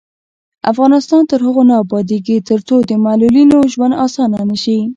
افغانستان تر هغو نه ابادیږي، ترڅو د معلولینو ژوند اسانه نشي.